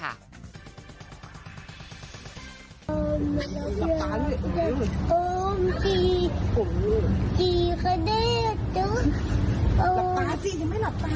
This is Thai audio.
เสาที่ยังไม่หลับตาเลย